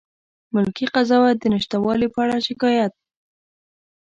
مسلکي قضاوت د نشتوالي په اړه شکایت